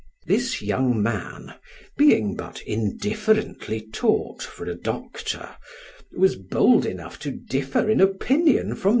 This young man, being but indifferently taught for a doctor, was bold enough to differ in opinion from M.